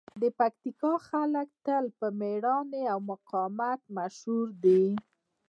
د پکتیکا خلک تل په مېړانې او مقاومت مشهور دي.